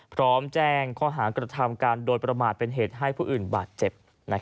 พร้อมแจ้งข้อหากระทำการโดยประมาทเป็นเหตุให้ผู้อื่นบาดเจ็บ